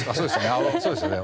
そうですよね